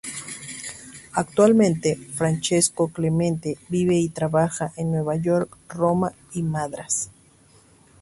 Actualmente, Francesco Clemente vive y trabaja en Nueva York, Roma y Madrás.